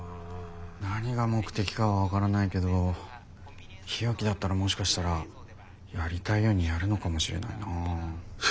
何が目的かは分からないけど日置だったらもしかしたらやりたいようにやるのかもしれないな。